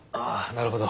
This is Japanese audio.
なるほど。